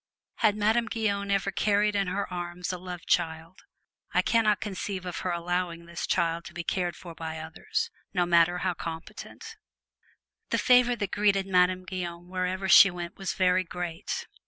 Had Madame Guyon ever carried in her arms a love child, I can not conceive of her allowing this child to be cared for by others no matter how competent. The favor that had greeted Madame Guyon wherever she went was very great.